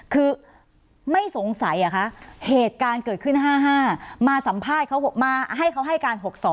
คือไม่สงสัยเหตุการณ์เกิดขึ้น๕๕มาสัมภาษณ์เขาให้การ๖๒